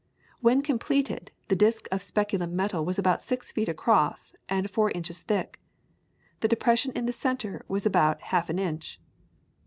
When completed, the disc of speculum metal was about six feet across and four inches thick. The depression in the centre was about half an inch.